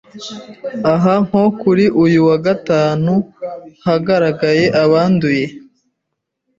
aho nko kuri uyu wa Gatanu hagaragaye abanduye